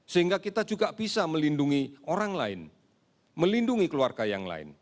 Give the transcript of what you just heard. sehingga kita juga bisa melindungi orang lain melindungi keluarga yang lain